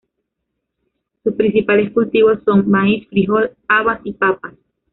Sus principales cultivos son: maíz, frijol, habas y papas.